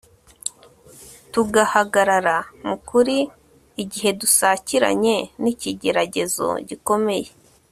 tugahagarara mu kuri igihe dusakiranye n'ikigeragezo gikomeye